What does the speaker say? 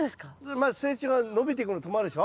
まず成長が伸びてくるの止まるでしょ？